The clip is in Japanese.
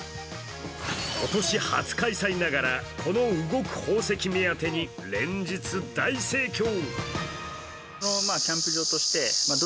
今年初開催ながら、この動く宝石目当てに連日大盛況。